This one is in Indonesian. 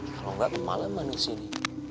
kalau enggak pemaleman di sini